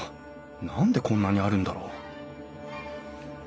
何でこんなにあるんだろう？